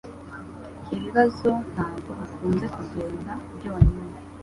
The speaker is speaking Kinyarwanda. Ibibazo ntabwo bikunze kugenda byonyine.